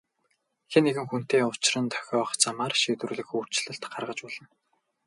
Хэн нэгэн хүнтэй учран тохиох замаар шийдвэрлэх өөрчлөлт гаргаж болно.